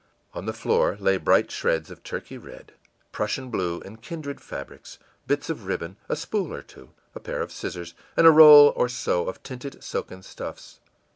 On the floor lay bright shreds of Turkey red, Prussian blue, and kindred fabrics, bits of ribbon, a spool or two, a pair of scissors, and a roll or so of tinted silken stuffs.